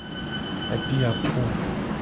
Adi a po.